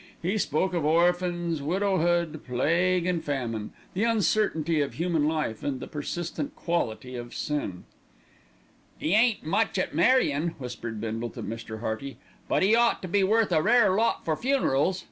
He spoke of orphans, widowhood, plague and famine, the uncertainty of human life and the persistent quality of sin. "'E ain't much at marrying," whispered Bindle to Mr. Hearty; "but 'e ought to be worth a rare lot for funerals." Mr.